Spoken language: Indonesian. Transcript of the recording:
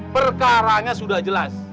perkaranya sudah jelas